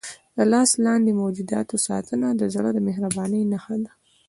د لاس لاندې موجوداتو ساتنه د زړه د مهربانۍ نښه ده.